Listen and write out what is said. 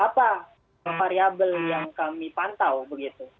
apa variabel yang kami pantau begitu